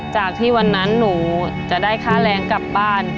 จากที่วันนั้นหนูจะได้ค่าแรงกลับบ้าน